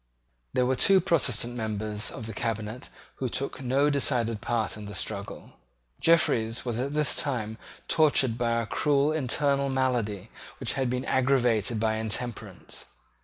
There were two Protestant members of the cabinet who took no decided part in the struggle. Jeffreys was at this time tortured by a cruel internal malady which had been aggravated by intemperance.